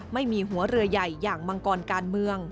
ไม่มีหัวเรือใหญ่อย่างมังกรการเมือง